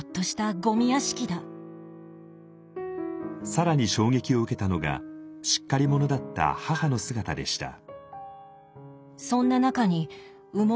更に衝撃を受けたのがしっかり者だった母の姿でした。